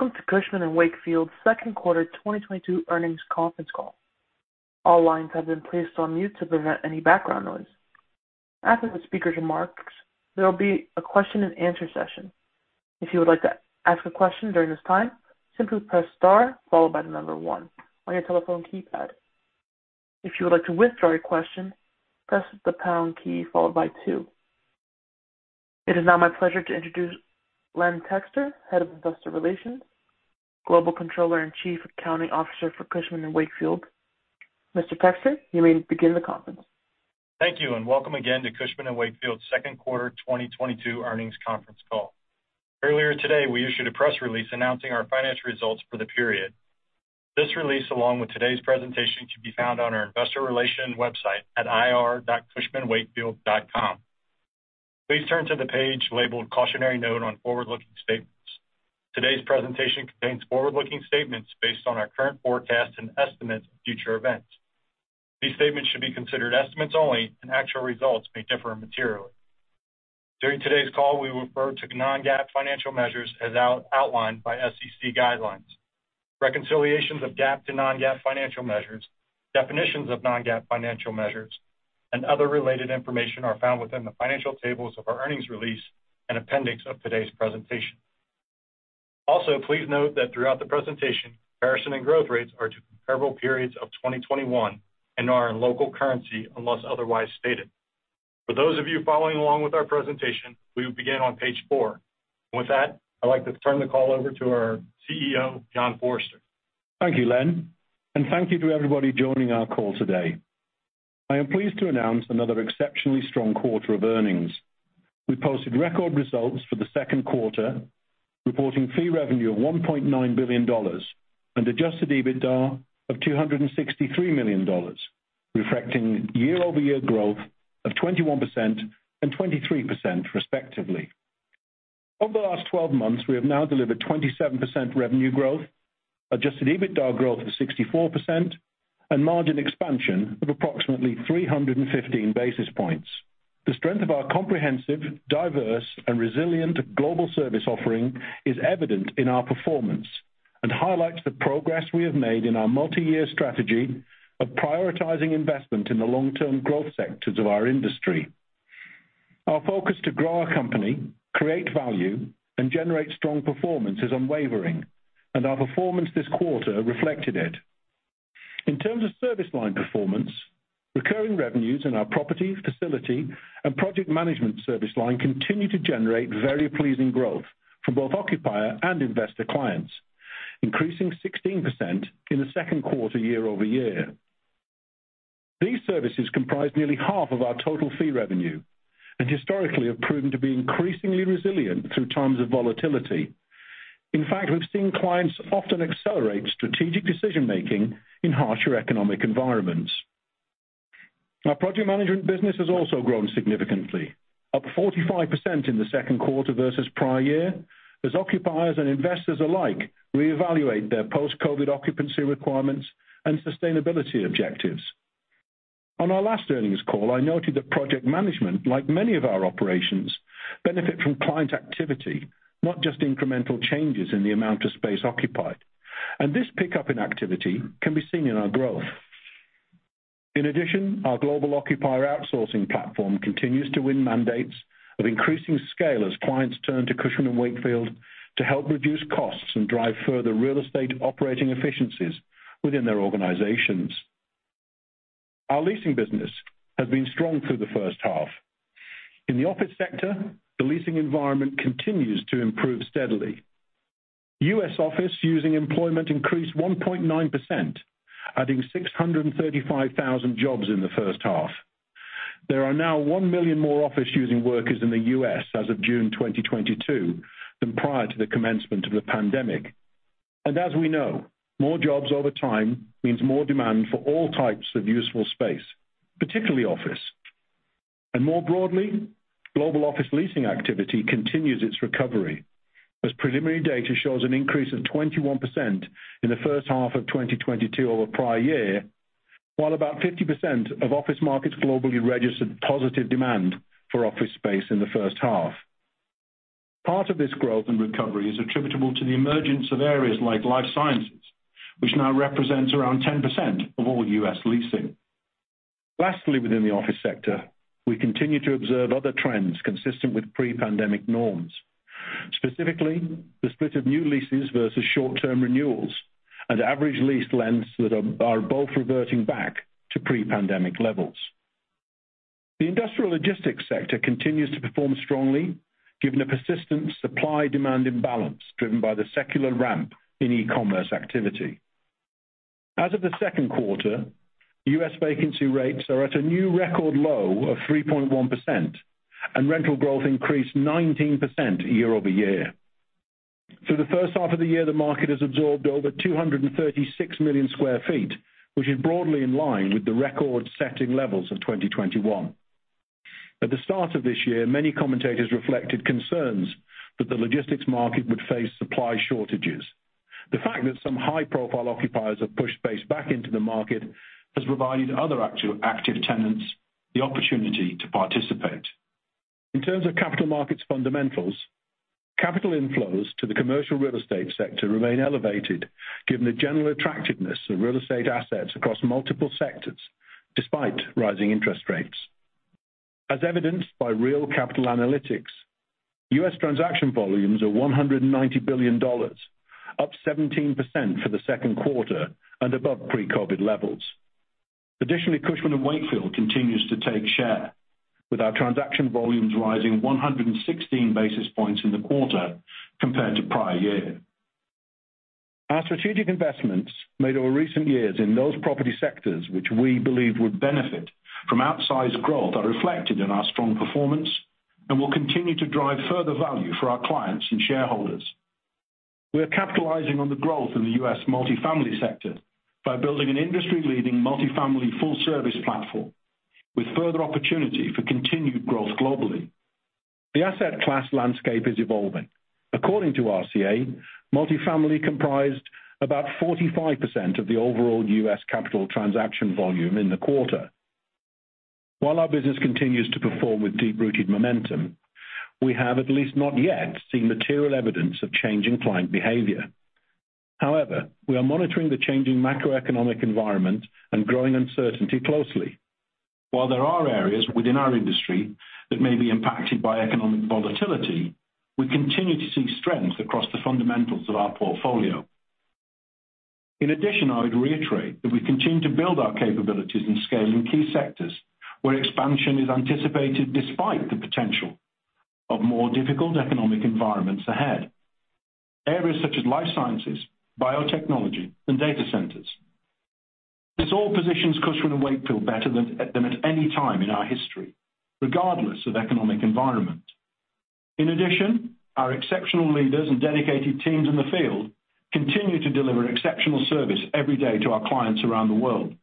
Welcome to Cushman & Wakefield second quarter 2022 earnings conference call. All lines have been placed on mute to prevent any background noise. After the speaker's remarks, there will be a question and answer session. If you would like to ask a question during this time, simply press star followed by the number one on your telephone keypad. If you would like to withdraw your question, press the pound key followed by two. It is now my pleasure to introduce Len Texter, Head of Investor Relations, Global Controller, and Chief Accounting Officer for Cushman & Wakefield. Mr. Texter, you may begin the conference. Thank you, and welcome again to Cushman & Wakefield second quarter 2022 earnings conference call. Earlier today, we issued a press release announcing our financial results for the period. This release, along with today's presentation, can be found on our investor relations website at ir.cushmanwakefield.com. Please turn to the page labeled Cautionary Note on Forward-Looking Statements. Today's presentation contains forward-looking statements based on our current forecasts and estimates of future events. These statements should be considered estimates only, and actual results may differ materially. During today's call, we will refer to non-GAAP financial measures as outlined by SEC guidelines. Reconciliations of GAAP to non-GAAP financial measures, definitions of non-GAAP financial measures, and other related information are found within the financial tables of our earnings release and appendix of today's presentation. Also, please note that throughout the presentation, comparison and growth rates are to comparable periods of 2021 and are in local currency unless otherwise stated. For those of you following along with our presentation, we will begin on page 4. With that, I'd like to turn the call over to our CEO, John Forrester. Thank you, Len, and thank you to everybody joining our call today. I am pleased to announce another exceptionally strong quarter of earnings. We posted record results for the second quarter, reporting fee revenue of $1.9 billion and Adjusted EBITDA of $263 million, reflecting year-over-year growth of 21% and 23% respectively. Over the last twelve months, we have now delivered 27% revenue growth, Adjusted EBITDA growth of 64%, and margin expansion of approximately 315 basis points. The strength of our comprehensive, diverse, and resilient global service offering is evident in our performance and highlights the progress we have made in our multi-year strategy of prioritizing investment in the long-term growth sectors of our industry. Our focus to grow our company, create value, and generate strong performance is unwavering, and our performance this quarter reflected it. In terms of service line performance, recurring revenues in our property, facility, and project management service line continue to generate very pleasing growth for both occupier and investor clients, increasing 16% in the second quarter year-over-year. These services comprise nearly half of our total fee revenue and historically have proven to be increasingly resilient through times of volatility. In fact, we've seen clients often accelerate strategic decision making in harsher economic environments. Our project management business has also grown significantly, up 45% in the second quarter versus prior year, as occupiers and investors alike reevaluate their post-COVID occupancy requirements and sustainability objectives. On our last earnings call, I noted that project management, like many of our operations, benefit from client activity, not just incremental changes in the amount of space occupied, and this pickup in activity can be seen in our growth. In addition, our global occupier outsourcing platform continues to win mandates of increasing scale as clients turn to Cushman & Wakefield to help reduce costs and drive further real estate operating efficiencies within their organizations. Our leasing business has been strong through the first half. In the office sector, the leasing environment continues to improve steadily. U.S. office-using employment increased 1.9%, adding 635,000 jobs in the first half. There are now 1 million more office-using workers in the U.S. as of June 2022 than prior to the commencement of the pandemic. As we know, more jobs over time means more demand for all types of useful space, particularly office. More broadly, global office leasing activity continues its recovery as preliminary data shows an increase of 21% in the first half of 2022 over prior year, while about 50% of office markets globally registered positive demand for office space in the first half. Part of this growth and recovery is attributable to the emergence of areas like Life Sciences, which now represents around 10% of all U.S. leasing. Lastly, within the office sector, we continue to observe other trends consistent with pre-pandemic norms. Specifically, the split of new leases versus short-term renewals and average lease lengths that are both reverting back to pre-pandemic levels. The industrial logistics sector continues to perform strongly given a persistent supply-demand imbalance driven by the secular ramp in e-commerce activity. As of the second quarter, U.S. vacancy rates are at a new record low of 3.1%, and rental growth increased 19% year-over-year. Through the first half of the year, the market has absorbed over 236 million sq ft, which is broadly in line with the record-setting levels of 2021. At the start of this year, many commentators reflected concerns that the logistics market would face supply shortages. The fact that some high-profile occupiers have pushed space back into the market has provided other actually active tenants the opportunity to participate. In terms of capital markets fundamentals, capital inflows to the commercial real estate sector remain elevated given the general attractiveness of real estate assets across multiple sectors despite rising interest rates. As evidenced by Real Capital Analytics, U.S. transaction volumes are $190 billion, up 17% for the second quarter and above pre-COVID levels. Additionally, Cushman & Wakefield continues to take share with our transaction volumes rising 116 basis points in the quarter compared to prior year. Our strategic investments made over recent years in those property sectors which we believe would benefit from outsized growth are reflected in our strong performance and will continue to drive further value for our clients and shareholders. We are capitalizing on the growth in the U.S. multifamily sector by building an industry-leading multifamily full service platform with further opportunity for continued growth globally. The asset class landscape is evolving. According to RCA, multifamily comprised about 45% of the overall U.S. capital transaction volume in the quarter. While our business continues to perform with deep-rooted momentum, we have, at least not yet, seen material evidence of changing client behavior. However, we are monitoring the changing macroeconomic environment and growing uncertainty closely. While there are areas within our industry that may be impacted by economic volatility, we continue to see strength across the fundamentals of our portfolio. In addition, I would reiterate that we continue to build our capabilities and scale in key sectors where expansion is anticipated despite the potential of more difficult economic environments ahead. Areas such as Life Sciences, biotechnology, and data centers. This all positions Cushman & Wakefield better than at any time in our history, regardless of economic environment. In addition, our exceptional leaders and dedicated teams in the field continue to deliver exceptional service every day to our clients around the world.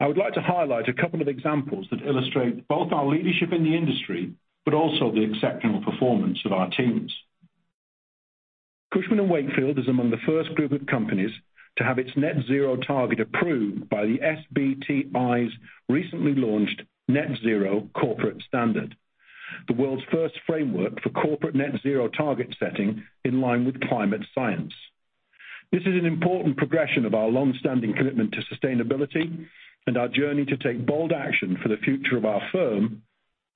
I would like to highlight a couple of examples that illustrate both our leadership in the industry, but also the exceptional performance of our teams. Cushman & Wakefield is among the first group of companies to have its net zero target approved by the SBTi's recently launched Corporate Net-Zero Standard, the world's first framework for corporate net zero target setting in line with climate science. This is an important progression of our long-standing commitment to sustainability and our journey to take bold action for the future of our firm,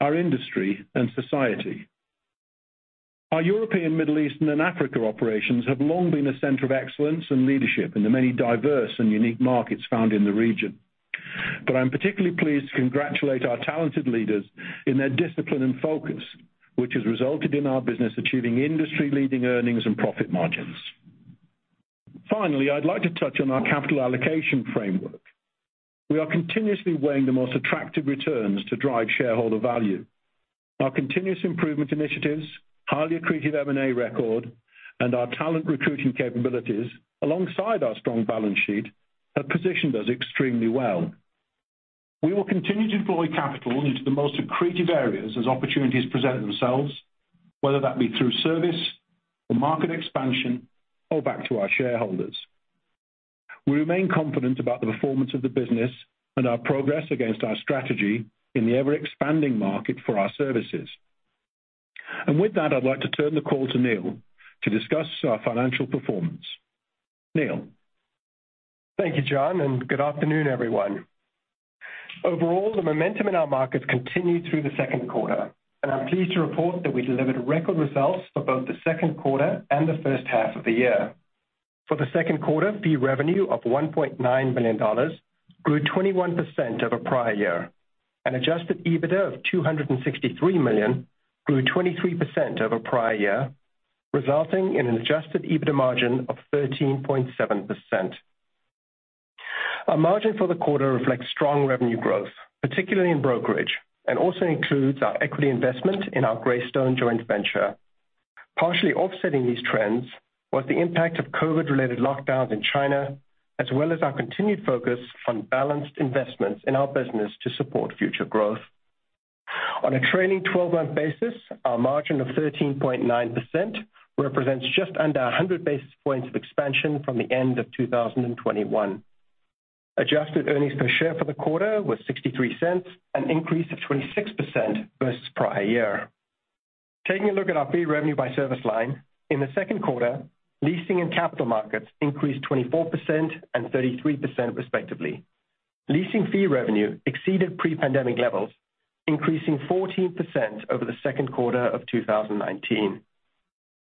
our industry, and society. Our European, Middle Eastern, and African operations have long been a center of excellence and leadership in the many diverse and unique markets found in the region. I'm particularly pleased to congratulate our talented leaders in their discipline and focus, which has resulted in our business achieving industry-leading earnings and profit margins. Finally, I'd like to touch on our capital allocation framework. We are continuously weighing the most attractive returns to drive shareholder value. Our continuous improvement initiatives, highly accretive M&A record, and our talent recruiting capabilities alongside our strong balance sheet have positioned us extremely well. We will continue to deploy capital into the most accretive areas as opportunities present themselves, whether that be through service or market expansion or back to our shareholders. We remain confident about the performance of the business and our progress against our strategy in the ever-expanding market for our services. With that, I'd like to turn the call to Neil to discuss our financial performance. Neil. Thank you, John, and good afternoon, everyone. Overall, the momentum in our markets continued through the second quarter, and I'm pleased to report that we delivered record results for both the second quarter and the first half of the year. For the second quarter, fee revenue of $1.9 billion grew 21% over prior year. An adjusted EBITDA of $263 million grew 23% over prior year, resulting in an adjusted EBITDA margin of 13.7%. Our margin for the quarter reflects strong revenue growth, particularly in brokerage, and also includes our equity investment in our Greystone joint venture. Partially offsetting these trends was the impact of COVID-related lockdowns in China, as well as our continued focus on balanced investments in our business to support future growth. On a trailing twelve-month basis, our margin of 13.9% represents just under 100 basis points of expansion from the end of 2021. Adjusted earnings per share for the quarter was $0.63, an increase of 26% versus prior year. Taking a look at our fee revenue by service line, in the second quarter, Leasing and Capital Markets increased 24% and 33% respectively. Leasing fee revenue exceeded pre-pandemic levels, increasing 14% over the second quarter of 2019.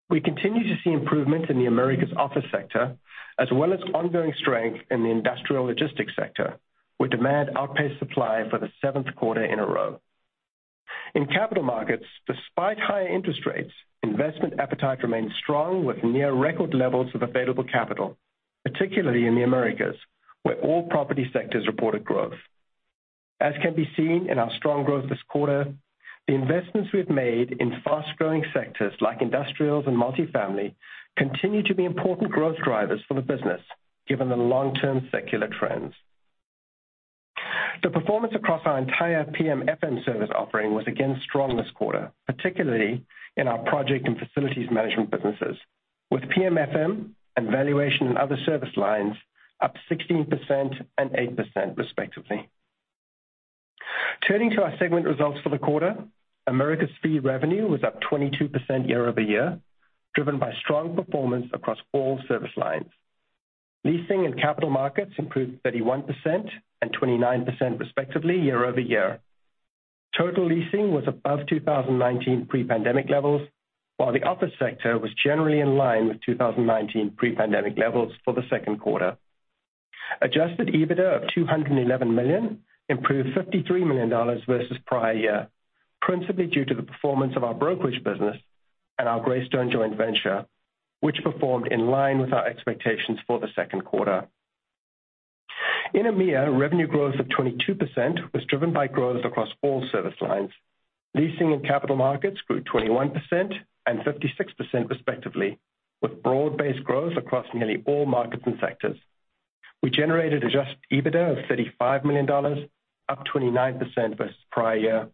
We continue to see improvement in the Americas office sector, as well as ongoing strength in the industrial logistics sector, where demand outpaced supply for the seventh quarter in a row. In Capital Markets, despite higher interest rates, investment appetite remains strong with near record levels of available capital, particularly in the Americas, where all property sectors reported growth. As can be seen in our strong growth this quarter, the investments we've made in fast-growing sectors like industrials and multifamily continue to be important growth drivers for the business given the long-term secular trends. The performance across our entire PM/FM service offering was again strong this quarter, particularly in our project and facilities management businesses. With PM/FM and Valuation and other service lines up 16% and 8% respectively. Turning to our segment results for the quarter, Americas fee revenue was up 22% year-over-year, driven by strong performance across all service lines. Leasing and Capital Markets improved 31% and 29% respectively year-over-year. Total Leasing was above 2019 pre-pandemic levels, while the office sector was generally in line with 2019 pre-pandemic levels for the second quarter. Adjusted EBITDA of $211 million improved $53 million versus prior year, principally due to the performance of our brokerage business and our Greystone joint venture, which performed in line with our expectations for the second quarter. In EMEA, revenue growth of 22% was driven by growth across all service lines. Leasing and capital markets grew 21% and 56% respectively, with broad-based growth across nearly all markets and sectors. We generated adjusted EBITDA of $35 million, up 29% versus prior year,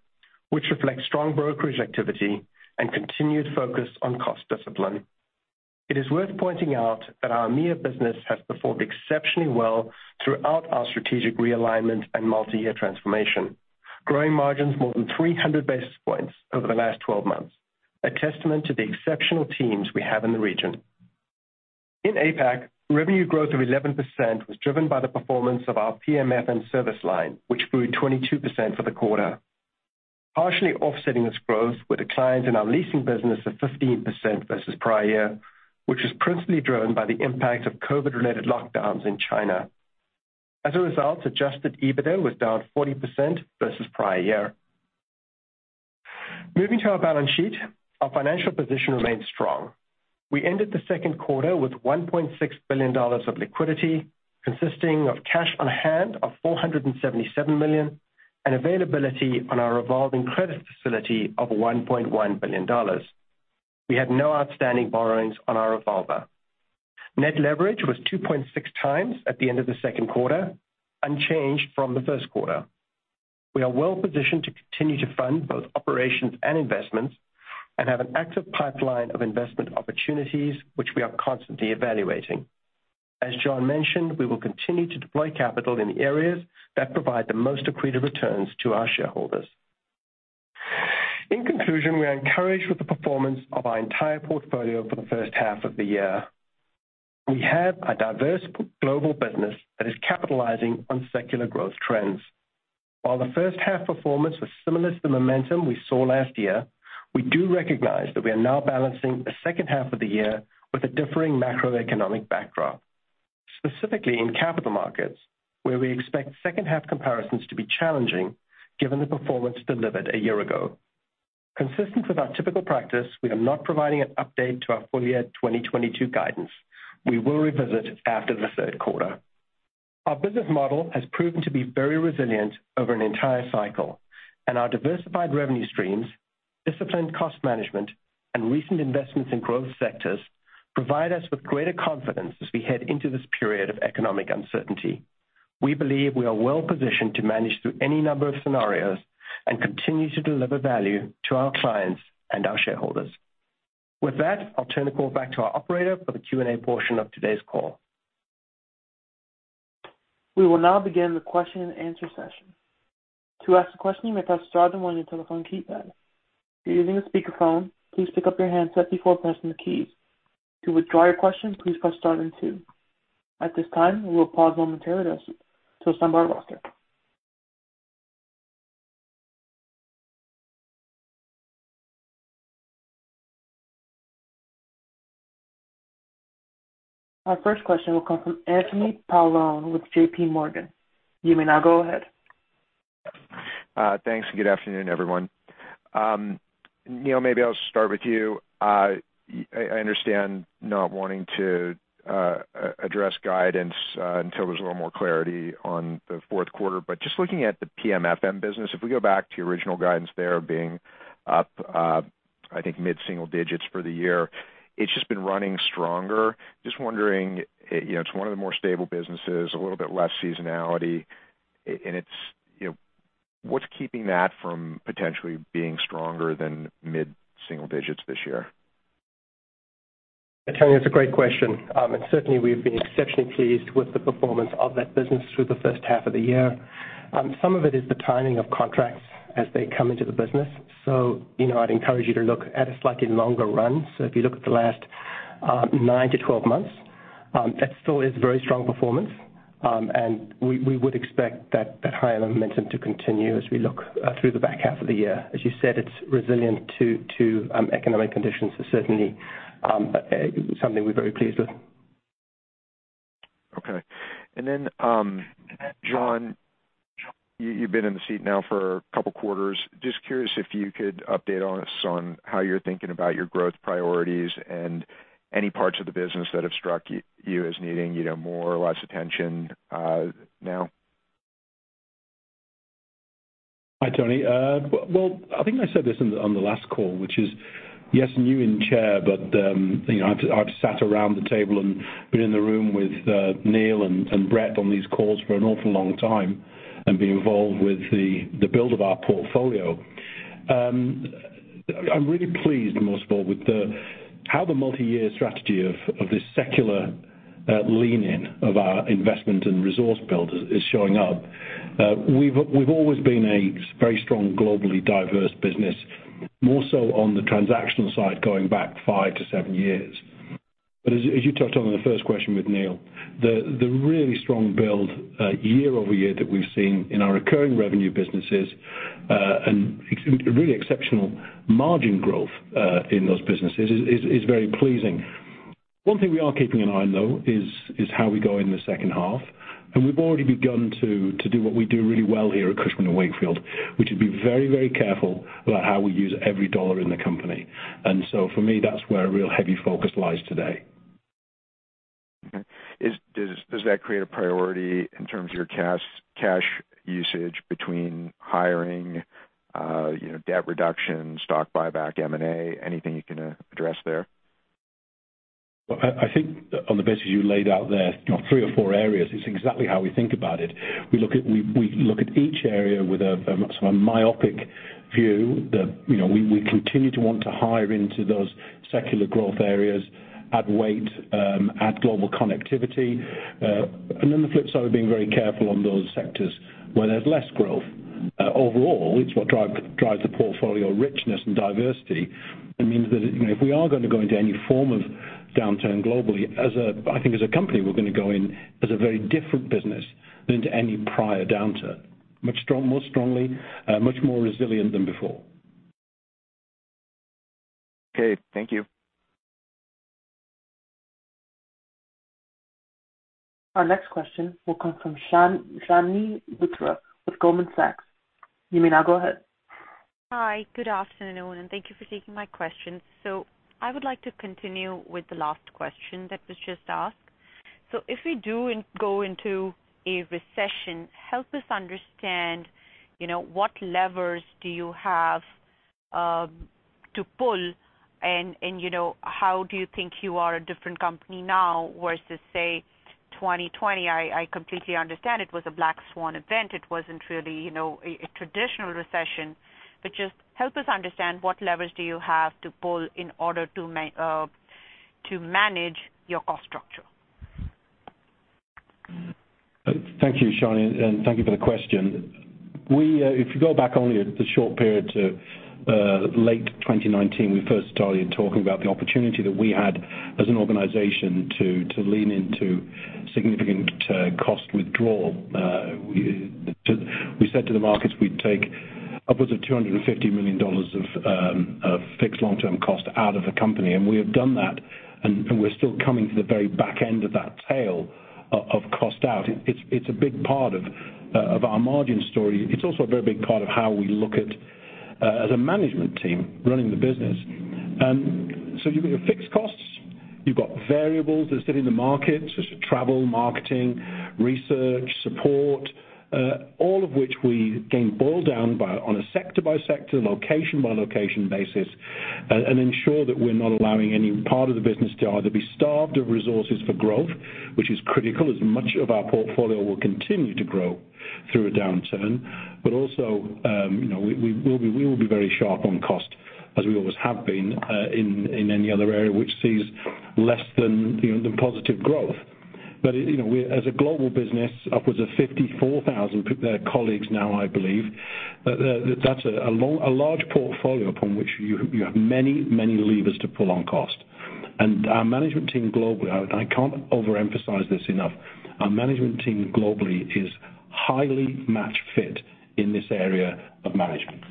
which reflects strong brokerage activity and continued focus on cost discipline. It is worth pointing out that our EMEA business has performed exceptionally well throughout our strategic realignment and multi-year transformation, growing margins more than 300 basis points over the last 12 months, a testament to the exceptional teams we have in the region. In APAC, revenue growth of 11% was driven by the performance of our PM/FM service line, which grew 22% for the quarter. Partially offsetting this growth were declines in our leasing business of 15% versus prior year, which was principally driven by the impact of COVID-related lockdowns in China. As a result, adjusted EBITDA was down 40% versus prior year. Moving to our balance sheet, our financial position remains strong. We ended the second quarter with $1.6 billion of liquidity, consisting of cash on hand of $477 million and availability on our revolving credit facility of $1.1 billion. We had no outstanding borrowings on our revolver. Net leverage was 2.6x at the end of the second quarter, unchanged from the first quarter. We are well positioned to continue to fund both operations and investments and have an active pipeline of investment opportunities, which we are constantly evaluating. As John mentioned, we will continue to deploy capital in the areas that provide the most accretive returns to our shareholders. In conclusion, we are encouraged with the performance of our entire portfolio for the first half of the year. We have a diverse global business that is capitalizing on secular growth trends. While the first half performance was similar to the momentum we saw last year, we do recognize that we are now balancing the second half of the year with a differing macroeconomic backdrop, specifically in capital markets, where we expect second half comparisons to be challenging given the performance delivered a year ago. Consistent with our typical practice, we are not providing an update to our full year 2022 guidance. We will revisit after the third quarter. Our business model has proven to be very resilient over an entire cycle, and our diversified revenue streams, disciplined cost management, and recent investments in growth sectors provide us with greater confidence as we head into this period of economic uncertainty. We believe we are well positioned to manage through any number of scenarios and continue to deliver value to our clients and our shareholders. With that, I'll turn the call back to our operator for the Q&A portion of today's call. We will now begin the question and answer session. To ask a question, you may press star then one on your telephone keypad. If you're using a speakerphone, please pick up your handset before pressing the keys. To withdraw your question, please press star then two. At this time, we will pause momentarily to assemble our roster. Our first question will come from Anthony Paolone with JPMorgan. You may now go ahead. Thanks, good afternoon, everyone. Neil, maybe I'll start with you. I understand not wanting to address guidance until there's a little more clarity on the fourth quarter, but just looking at the PMFM business, if we go back to your original guidance there being up, I think mid-single digits for the year, it's just been running stronger. Just wondering, you know, it's one of the more stable businesses, a little bit less seasonality. And it's, you know, what's keeping that from potentially being stronger than mid-single digits this year? Tony, that's a great question. Certainly, we've been exceptionally pleased with the performance of that business through the first half of the year. Some of it is the timing of contracts as they come into the business. You know, I'd encourage you to look at a slightly longer run. If you look at the last 9-12 months, that still is very strong performance. We would expect that higher momentum to continue as we look through the back half of the year. As you said, it's resilient to economic conditions. Certainly, something we're very pleased with. Okay. John, you've been in the seat now for a couple quarters. Just curious if you could update us on how you're thinking about your growth priorities and any parts of the business that have struck you as needing, you know, more or less attention, now? Hi, Tony. Well, I think I said this on the last call, which is, yes, new in chair, but you know, I've sat around the table and been in the room with Neil and Brett on these calls for an awful long time and been involved with the build of our portfolio. I'm really pleased most of all with how the multi-year strategy of this secular lean in of our investment and resource build is showing up. We've always been a very strong, globally diverse business, more so on the transactional side, going back five to seven years. As you touched on in the first question with Neil, the really strong build year over year that we've seen in our recurring revenue businesses, and really exceptional margin growth in those businesses is very pleasing. One thing we are keeping an eye on though is how we go in the second half, and we've already begun to do what we do really well here at Cushman & Wakefield, which is be very, very careful about how we use every dollar in the company. So for me, that's where a real heavy focus lies today. Okay. Does that create a priority in terms of your cash usage between hiring, you know, debt reduction, stock buyback, M&A? Anything you can address there? Well, I think on the basis you laid out there, you know, three or four areas is exactly how we think about it. We look at each area with a sort of myopic view that, you know, we continue to want to hire into those secular growth areas, add weight, add global connectivity. On the flip side, we're being very careful on those sectors where there's less growth. Overall, it's what drives the portfolio richness and diversity. It means that, you know, if we are gonna go into any form of downturn globally, as a company, we're gonna go in as a very different business than to any prior downturn. Much more strongly, much more resilient than before. Okay. Thank you. Our next question will come from Chandni Luthra with Goldman Sachs. You may now go ahead. Hi. Good afternoon, and thank you for taking my question. I would like to continue with the last question that was just asked. If we do go into a recession, help us understand, you know, what levers do you have to pull? And you know, how do you think you are a different company now versus, say, 2020? I completely understand it was a black swan event. It wasn't really, you know, a traditional recession, but just help us understand what levers do you have to pull in order to manage your cost structure? Thank you, Chandni, and thank you for the question. If you go back only the short period to late 2019, we first started talking about the opportunity that we had as an organization to lean into significant cost withdrawal. We said to the markets we'd take upwards of $250 million of fixed long-term cost out of the company, and we have done that, and we're still coming to the very back end of that tail of cost out. It's a big part of our margin story. It's also a very big part of how we look at as a management team running the business. You've got your fixed costs, you've got variables that sit in the markets, such as travel, marketing, research, support, all of which we again boil down on a sector by sector, location by location basis, and ensure that we're not allowing any part of the business to either be starved of resources for growth, which is critical, as much of our portfolio will continue to grow through a downturn. But also, we will be very sharp on cost, as we always have been, in any other area which sees less than, you know, than positive growth. You know, we as a global business, upwards of 54,000 colleagues now, I believe, that's a large portfolio upon which you have many, many levers to pull on cost. Our management team globally, I can't overemphasize this enough, our management team globally is highly match fit in this area of management.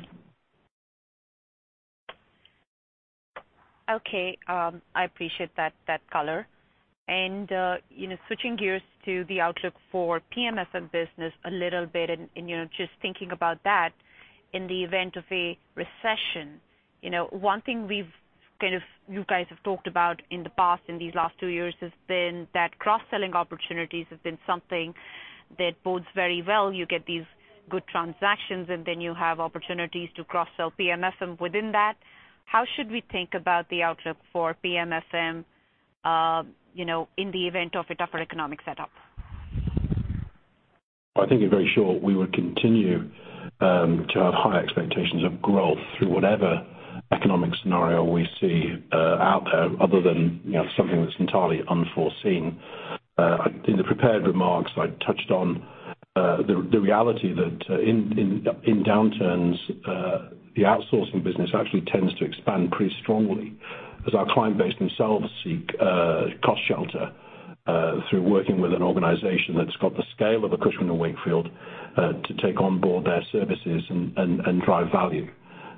Okay. I appreciate that color. You know, switching gears to the outlook for PMFM business a little bit, you know, just thinking about that in the event of a recession, you know, one thing you guys have talked about in the past, in these last two years, has been that cross-selling opportunities have been something that bodes very well. You get these good transactions, and then you have opportunities to cross-sell PMFM within that. How should we think about the outlook for PMFM, you know, in the event of a tougher economic setup? I think in very short, we would continue to have high expectations of growth through whatever economic scenario we see out there other than, you know, something that's entirely unforeseen. In the prepared remarks, I touched on the reality that in downturns the outsourcing business actually tends to expand pretty strongly as our client base themselves seek cost shelter through working with an organization that's got the scale of a Cushman & Wakefield to take on board their services and drive value.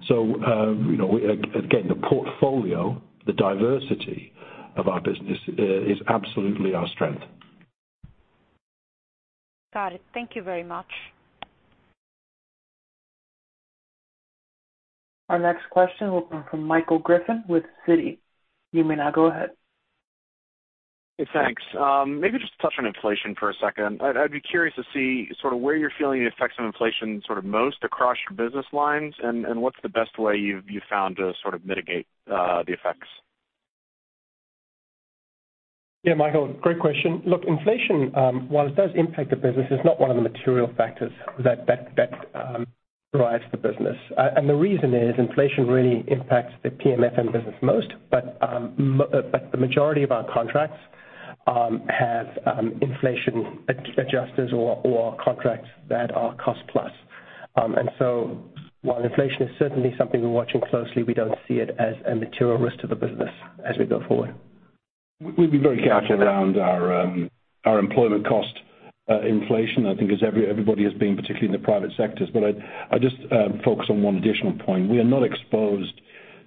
You know, we again, the portfolio, the diversity of our business is absolutely our strength. Got it. Thank you very much. Our next question will come from Michael Griffin with Citi. You may now go ahead. Hey, thanks. Maybe just touch on inflation for a second. I'd be curious to see sort of where you're feeling the effects of inflation sort of most across your business lines and what's the best way you've found to sort of mitigate the effects? Yeah, Michael, great question. Look, inflation, while it does impact the business, is not one of the material factors that drives the business. The reason is inflation really impacts the PM/FM business most. The majority of our contracts have inflation adjusters or contracts that are cost-plus. While inflation is certainly something we're watching closely, we don't see it as a material risk to the business as we go forward. We'd be very careful around our our employment cost inflation, I think as everybody has been, particularly in the private sectors. I just focus on one additional point. We are not exposed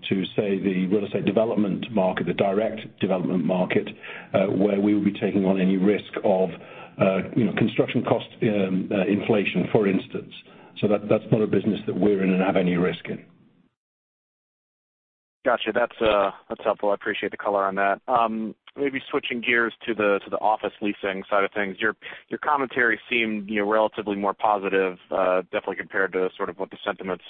to, say, the real estate development market, the direct development market, where we will be taking on any risk of, you know, construction cost inflation, for instance. That's not a business that we're in and have any risk in. Gotcha. That's helpful. I appreciate the color on that. Maybe switching gears to the office leasing side of things. Your commentary seemed, you know, relatively more positive, definitely compared to sort of what the sentiment's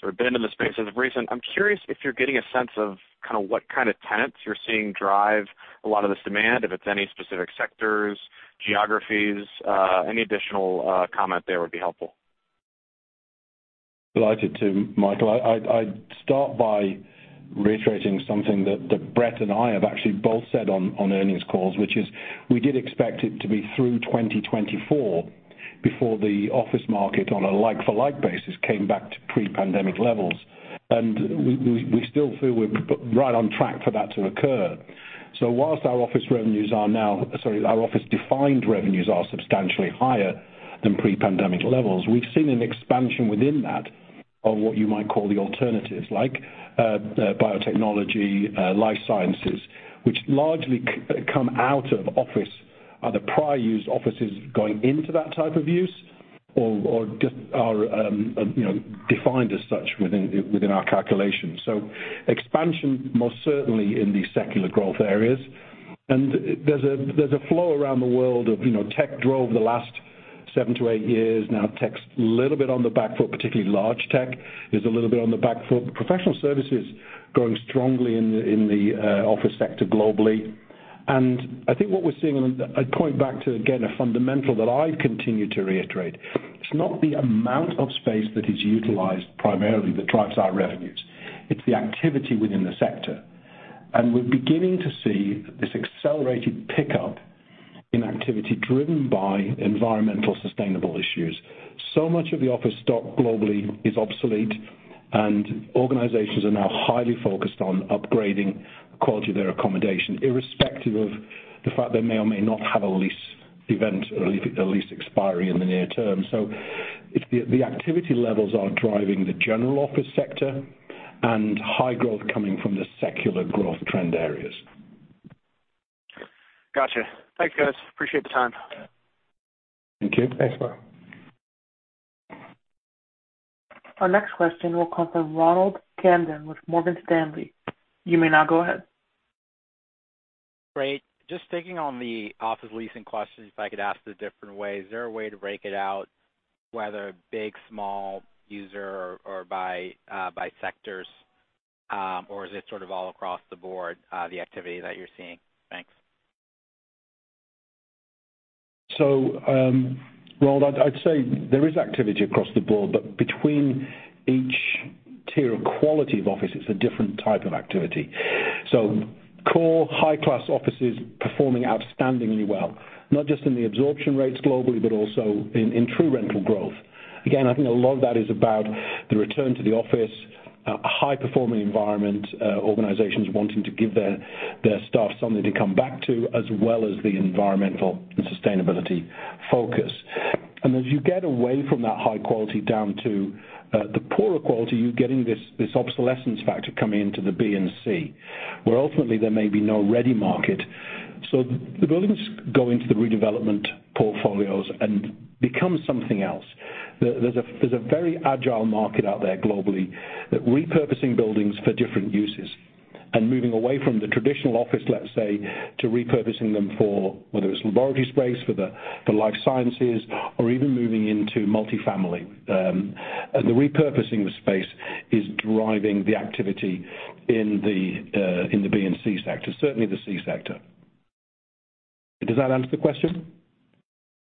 sort of been in the space as of recent. I'm curious if you're getting a sense of kind of what kind of tenants you're seeing drive a lot of this demand, if it's any specific sectors, geographies, any additional comment there would be helpful. Delighted to, Michael. I'd start by reiterating something that Brett and I have actually both said on earnings calls, which is we did expect it to be through 2024 before the office market on a like for like basis, came back to pre-pandemic levels. We still feel we're right on track for that to occur. While our office defined revenues are substantially higher than pre-pandemic levels, we've seen an expansion within that of what you might call the alternatives, like, biotechnology, life sciences, which largely come out of office, either prior used offices going into that type of use or just are, you know, defined as such within our calculations. Expansion most certainly in these secular growth areas. There's a flow around the world of, you know, tech drove the last 7-8 years. Now tech's a little bit on the back foot, particularly large tech is a little bit on the back foot. Professional services growing strongly in the office sector globally. I think what we're seeing, and I'd point back to, again, a fundamental that I continue to reiterate, it's not the amount of space that is utilized primarily that drives our revenues. It's the activity within the sector. We're beginning to see this accelerated pickup in activity driven by environmentally sustainable issues. So much of the office stock globally is obsolete, and organizations are now highly focused on upgrading the quality of their accommodation, irrespective of the fact they may or may not have a lease event or a lease expiry in the near term. It's the activity levels are driving the general office sector and high growth coming from the secular growth trend areas. Gotcha. Thanks, guys. Appreciate the time. Thank you. Thanks, Michael. Our next question will come from Ronald Kamdem with Morgan Stanley. You may now go ahead. Great. Just taking on the office leasing question, if I could ask the different way. Is there a way to break it out, whether big, small user or by sectors, or is it sort of all across the board, the activity that you're seeing? Thanks. Ronald, I'd say there is activity across the board, but between each tier of quality of office, it's a different type of activity. Core high class office is performing outstandingly well, not just in the absorption rates globally, but also in true rental growth. Again, I think a lot of that is about the return to the office, high performing environment, organizations wanting to give their staff something to come back to, as well as the environmental and sustainability focus. As you get away from that high quality down to the poorer quality, you're getting this obsolescence factor coming into the B and C, where ultimately there may be no ready market. The buildings go into the redevelopment portfolios and become something else. There's a very agile market out there globally, repurposing buildings for different uses and moving away from the traditional office, let's say, to repurposing them for whether it's laboratory space for the life sciences or even moving into multifamily. The repurposing of space is driving the activity in the B and C sector, certainly the C sector. Does that answer the question?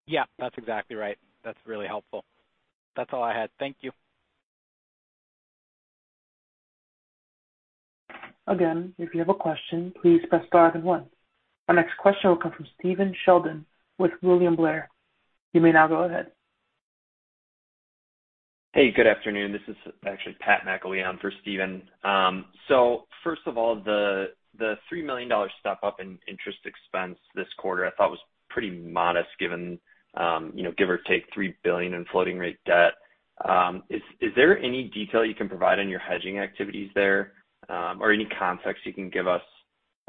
Yeah, that's exactly right. That's really helpful. That's all I had. Thank you. Again, if you have a question, please press star then one. Our next question will come from Stephen Sheldon with William Blair. You may now go ahead. Hey, good afternoon. This is actually Stephen Sheldon for Steven. First of all, the $3 million step up in interest expense this quarter I thought was pretty modest given, you know, give or take $3 billion in floating rate debt. Is there any detail you can provide on your hedging activities there, or any context you can give us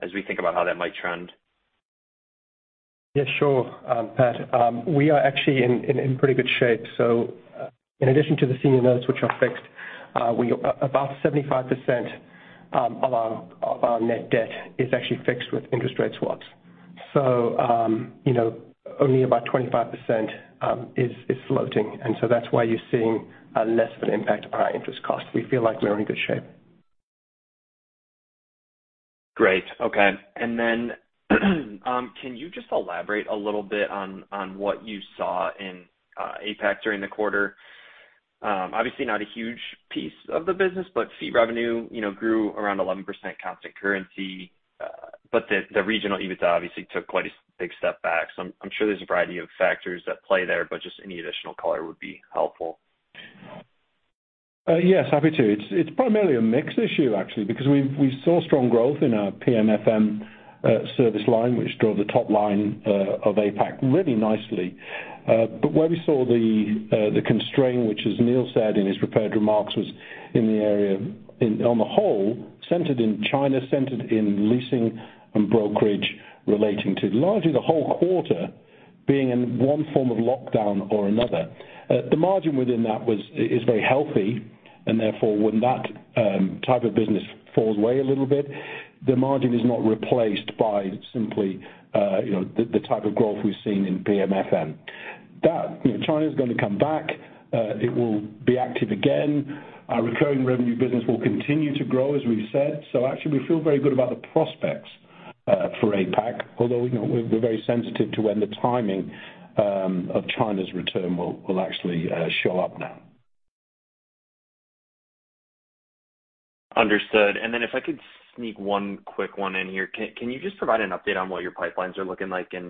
as we think about how that might trend? Yeah, sure, Pat. We are actually in pretty good shape. In addition to the senior notes which are fixed, about 75% of our net debt is actually fixed with interest rate swaps. You know, only about 25% is floating. That's why you're seeing less of an impact of our interest cost. We feel like we're in good shape. Great. Okay. Then, can you just elaborate a little bit on what you saw in APAC during the quarter? Obviously not a huge piece of the business, but fee revenue, you know, grew around 11% constant currency. But the regional EBITDA obviously took quite a big step back. I'm sure there's a variety of factors at play there, but just any additional color would be helpful. Yes, happy to. It's primarily a mix issue actually, because we saw strong growth in our PM/FM service line, which drove the top line of APAC really nicely. But where we saw the constraint, which as Neil said in his prepared remarks, was on the whole centered in China, in leasing and brokerage relating to largely the whole quarter being in one form of lockdown or another. The margin within that is very healthy, and therefore, when that type of business falls away a little bit, the margin is not replaced by simply you know, the type of growth we've seen in PM/FM. You know, China's gonna come back. It will be active again. Our recurring revenue business will continue to grow, as we've said. Actually we feel very good about the prospects for APAC, although, you know, we're very sensitive to when the timing of China's return will actually show up now. Understood. If I could sneak one quick one in here. Can you just provide an update on what your pipelines are looking like in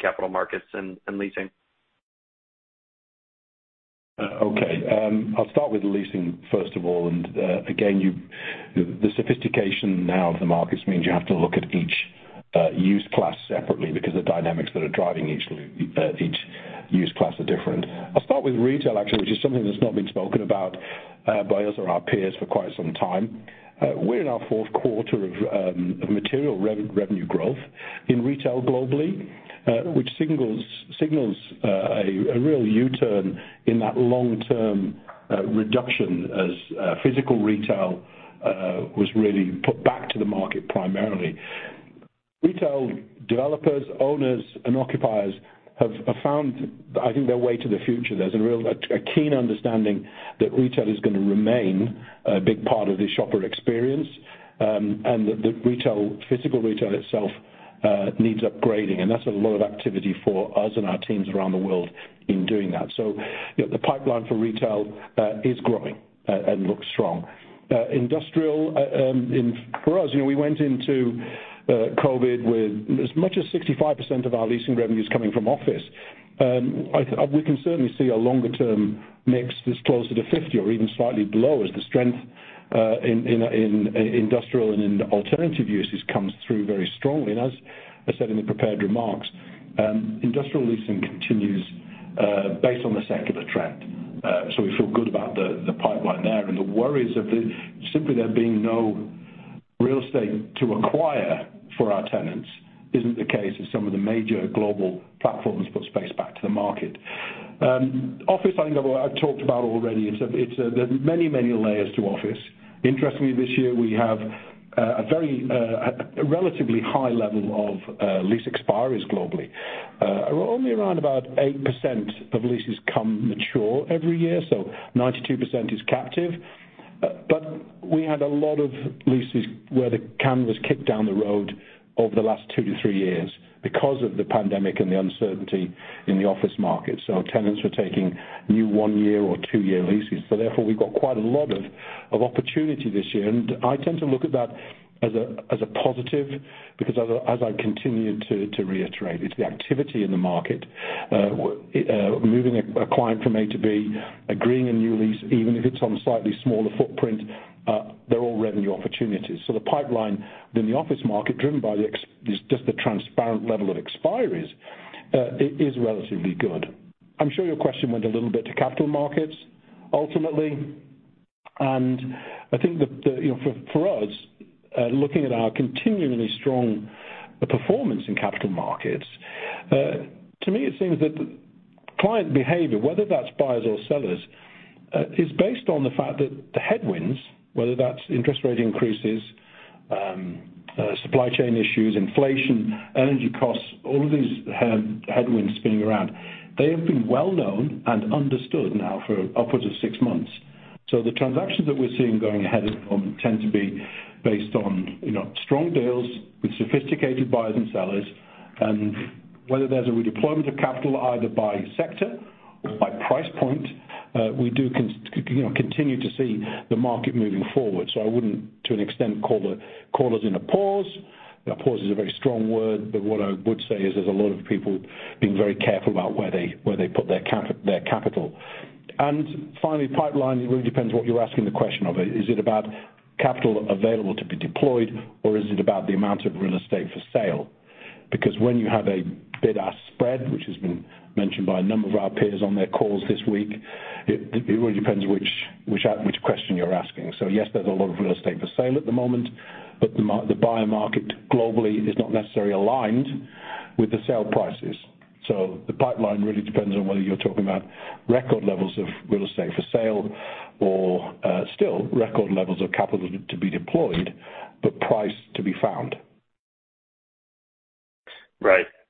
Capital Markets and Leasing? I'll start with leasing first of all, and again, you, the sophistication now of the markets means you have to look at each use class separately because the dynamics that are driving each use class are different. I'll start with retail actually, which is something that's not been spoken about by us or our peers for quite some time. We're in our fourth quarter of material revenue growth in retail globally, which signals a real U-turn in that long-term reduction as physical retail was really put back to the market primarily. Retail developers, owners, and occupiers have found, I think, their way to the future. There's a real. A keen understanding that retail is gonna remain a big part of the shopper experience, and that the retail, physical retail itself, needs upgrading, and that's a lot of activity for us and our teams around the world in doing that. You know, the pipeline for retail is growing and looks strong. Industrial. For us, you know, we went into COVID with as much as 65% of our leasing revenues coming from office. We can certainly see a longer term mix that's closer to 50 or even slightly below as the strength in industrial and in alternative uses comes through very strongly. As I said in the prepared remarks, industrial leasing continues based on the secular trend. We feel good about the pipeline there. The worries simply there being no real estate to acquire for our tenants isn't the case as some of the major global platforms put space back to the market. Office, I think I've talked about already. It's a. There's many layers to office. Interestingly, this year we have a very a relatively high level of lease expiries globally. Only around 8% of leases come mature every year, so 92% is captive. But we had a lot of leases where the can was kicked down the road over the last 2-3 years because of the pandemic and the uncertainty in the office market. Tenants were taking new 1-year or 2-year leases, so therefore we've got quite a lot of opportunity this year. I tend to look at that as a positive because as I continue to reiterate, it's the activity in the market. Moving a client from A to B, agreeing a new lease, even if it's on a slightly smaller footprint, they're all revenue opportunities. The pipeline in the office market driven by the transparent level of expiries is relatively good. I'm sure your question went a little bit to Capital Markets ultimately, and I think that, you know, for us, looking at our continually strong performance in Capital Markets, to me it seems that client behavior, whether that's buyers or sellers, is based on the fact that the headwinds, whether that's interest rate increases, supply chain issues, inflation, energy costs, all of these headwinds spinning around, they have been well known and understood now for upwards of six months. The transactions that we're seeing going ahead at the moment tend to be based on, you know, strong deals with sophisticated buyers and sellers, and whether there's a redeployment of capital either by sector or by price point, we do, you know, continue to see the market moving forward. I wouldn't, to an extent, call us in a pause. A pause is a very strong word. What I would say is there's a lot of people being very careful about where they put their capital. Finally, pipeline, it really depends what you're asking the question of. Is it about capital available to be deployed, or is it about the amount of real estate for sale? Because when you have a bid-ask spread, which has been mentioned by a number of our peers on their calls this week, it really depends which question you're asking. Yes, there's a lot of real estate for sale at the moment, but the buyer market globally is not necessarily aligned with the sale prices. The pipeline really depends on whether you're talking about record levels of real estate for sale or, still record levels of capital to be deployed, but price to be found.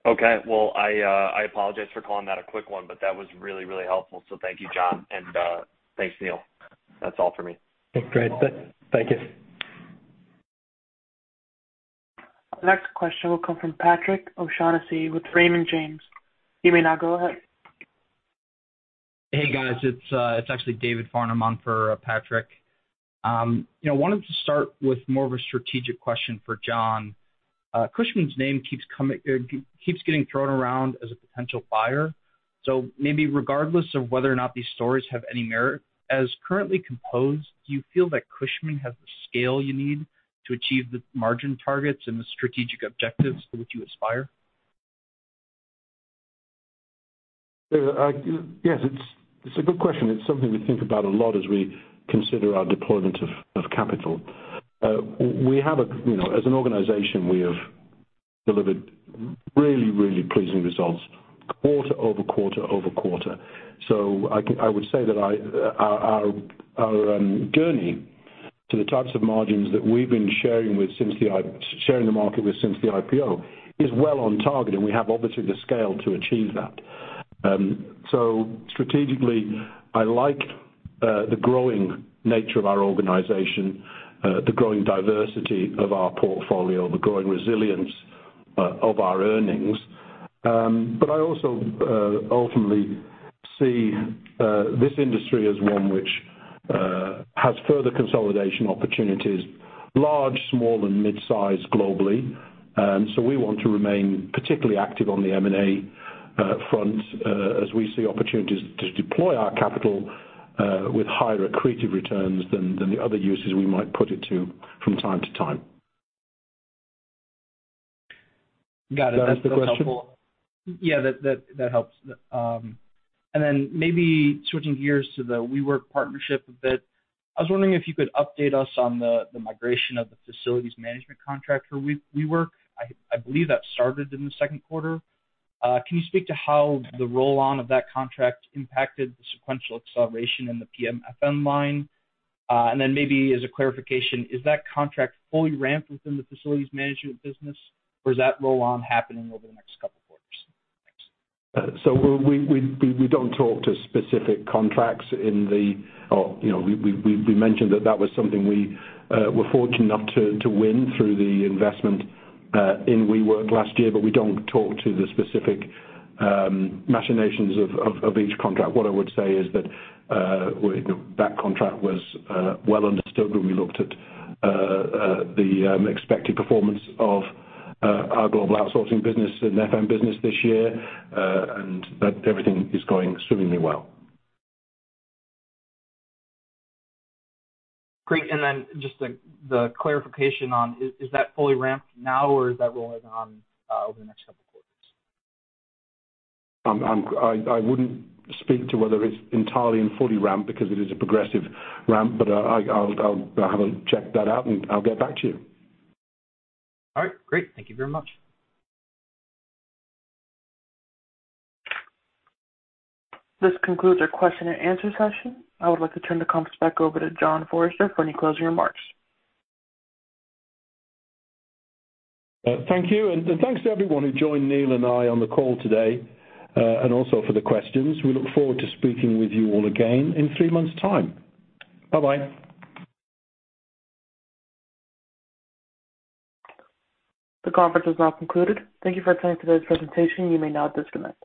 Okay. Well, I apologize for calling that a quick one, but that was really, really helpful. Thank you, John, and thanks, Neil. That's all for me. Great. Thank you. Our next question will come from Patrick O'Shaughnessy with Raymond James. You may now go ahead. Hey, guys. It's actually David Farnham on for Patrick. You know, wanted to start with more of a strategic question for John. Cushman's name keeps getting thrown around as a potential buyer. Maybe regardless of whether or not these stories have any merit, as currently composed, do you feel that Cushman has the scale you need to achieve the margin targets and the strategic objectives to which you aspire? Yes, it's a good question. It's something we think about a lot as we consider our deployment of capital. We have, you know, as an organization, we have delivered really pleasing results quarter over quarter over quarter. I would say that our journey to the types of margins that we've been sharing with the market since the IPO is well on target, and we have obviously the scale to achieve that. Strategically, I like the growing nature of our organization, the growing diversity of our portfolio, the growing resilience of our earnings. I also ultimately see this industry as one which has further consolidation opportunities, large, small, and mid-size globally. We want to remain particularly active on the M&A front as we see opportunities to deploy our capital with higher accretive returns than the other uses we might put it to from time to time. Got it. Does that answer your question? Yeah. That helps. Maybe switching gears to the WeWork partnership a bit. I was wondering if you could update us on the migration of the facilities management contract for WeWork. I believe that started in the second quarter. Can you speak to how the roll-on of that contract impacted the sequential acceleration in the PM/FM line? Maybe as a clarification, is that contract fully ramped within the facilities management business, or is that roll-on happening over the next couple quarters? Thanks. We don't talk to specific contracts. You know, we mentioned that was something we're fortunate enough to win through the investment in WeWork last year, but we don't talk to the specific machinations of each contract. What I would say is that contract was well understood when we looked at the expected performance of our global outsourcing business and FM business this year, and that everything is going swimmingly well. Great. Just the clarification on is that fully ramped now, or is that rolling on over the next couple quarters? I wouldn't speak to whether it's entirely and fully ramped because it is a progressive ramp, but I'll have to check that out, and I'll get back to you. All right. Great. Thank you very much. This concludes our question and answer session. I would like to turn the conference back over to John Forrester for any closing remarks. Thank you. Thanks to everyone who joined Neil and I on the call today, and also for the questions. We look forward to speaking with you all again in three months' time. Bye-bye. The conference is now concluded. Thank you for attending today's presentation. You may now disconnect.